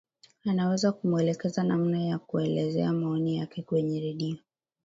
anaweza kumwelekeza namna ya kuelezea maoni yake kwenye redio